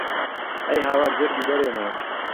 ئهی هاوار جهرگی دهرهێنام